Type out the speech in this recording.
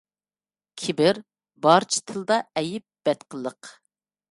كىبىر – بارچە تىلدا ئەيب، بەتقىلىق.